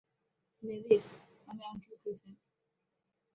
Mavis, আমি uncle Griffin.